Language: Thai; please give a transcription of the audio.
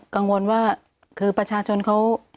กังวลว่าคือประชาชนเขา